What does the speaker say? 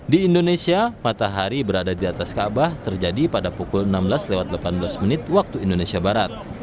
di indonesia matahari berada di atas kaabah terjadi pada pukul enam belas delapan belas menit waktu indonesia barat